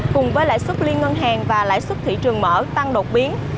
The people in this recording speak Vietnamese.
cùng với lãi suất liên ngân hàng và lãi suất thị trường mở tăng đột biến